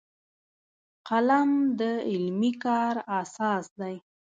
قلم د علمي کار اساس دی